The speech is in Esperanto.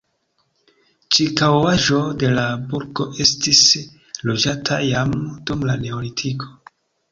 Ĉirkaŭaĵo de la burgo estis loĝata jam dum la neolitiko.